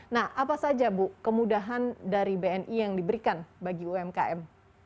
nah apa saja bu kemudahan dari bni yang diberikan bagi umkm